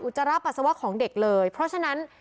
จาระปัสสาวะของเด็กเลยเพราะฉะนั้น